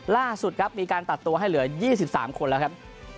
ล่าสุดครับมีการตัดตัวให้เหลือ๒๓คนแล้วครับ